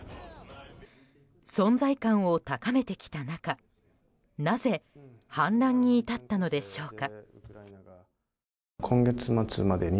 存在感を高めてきた中なぜ反乱に至ったのでしょうか。